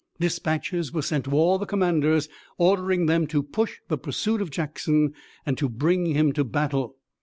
Dispatches were sent to all the commanders ordering them to push the pursuit of Jackson and to bring him to battle.